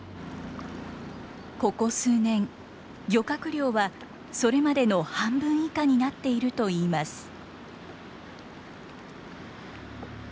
ここ数年、漁獲量はそれまでの半分以下になっているといいます。